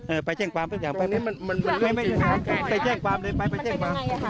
เออไปเช่งความทุกอย่างไปตรงนี้มันมันเป็นเรื่องจริงหรอไปเช่งความเลยไปไปเช่งความ